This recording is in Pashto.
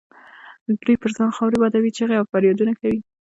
دوی پر ځان خاورې بادوي، چیغې او فریادونه کوي.